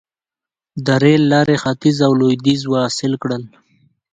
د ریل لارې ختیځ او لویدیځ وصل کړل.